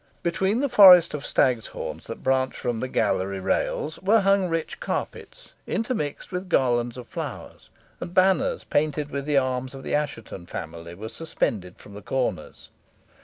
Between the forest of stags' horns that branched from the gallery rails were hung rich carpets, intermixed with garlands of flowers, and banners painted with the arms of the Assheton family, were suspended from the corners.